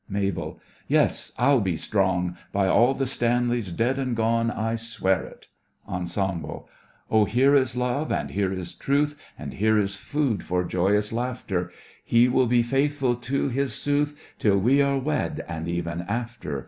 MABEL: Yes, I'll be strong! By all the Stanleys dead and gone, I swear it! ENSEMBLE Oh, here is love, and here is truth, And here is food for joyous laughter: He (she) will be faithful to his (her) sooth Till we are wed, and even after.